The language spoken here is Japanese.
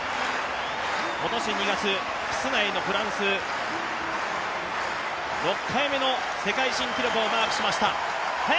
今年２月、室内のフランス、６回目の世界新記録をマークしました。